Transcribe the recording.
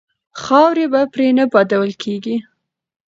خاورې به پرې نه بادول کیږي.